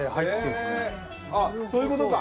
あっそういう事か！